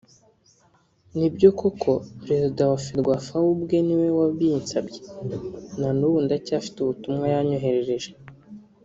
“Ni byo koko perezida wa Ferwafa we ubwe ni we wabinsabye… na n’ubu ndacyafite ubutumwa yanyoherereje